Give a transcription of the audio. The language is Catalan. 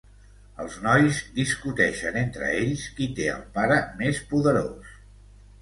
Els nois discuteixen entre ells qui té el pare més poderós.